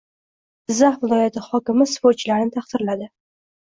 Jizzax viloyati hokimi sportchilarni taqdirladi